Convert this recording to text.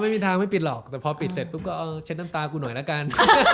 ไม่มีทางไม่ปิดหรอกแต่พอปิดเสร็จปุ๊บก็เอาเช็ดน้ำตากูหน่อยละกัน